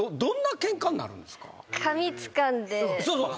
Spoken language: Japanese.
そうそう。